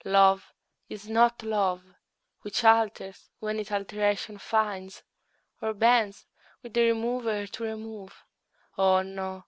Love is not love Which alters when it alteration finds, Or bends with the remover to remove: O no!